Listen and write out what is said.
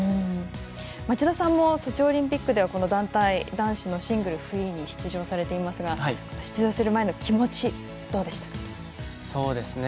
町田さんもソチオリンピックでは団体男子のシングル、フリーに出場されていますが出場する前の気持ちはどうでしたか？